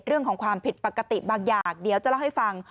เรื่องของความผิดปกติบางอย่างเดี๋ยวจะเล่าให้ฟัง